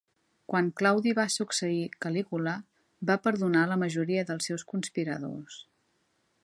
Quan Claudi va succeir Caligula, va perdonar la majoria dels seus conspiradors.